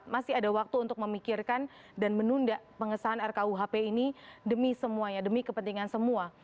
masih ada waktu untuk memikirkan dan menunda pengesahan rkuhp ini demi semuanya demi kepentingan semua